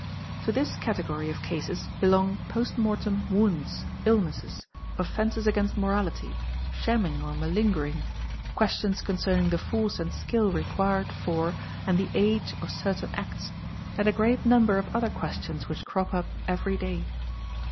To this category of cases belong post mortem wounds, illnesses, offences against morality, shamming or malingering, questions concerning the force and skill required for and the age of certain acts, and a great number of other questions which crop up every day.